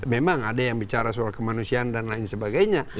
memang ada yang bicara soal kemanusiaan dan lain sebagainya